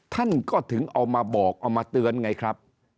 ท่านก็ถึงเอามาบอกเอามาเตือนไงครับ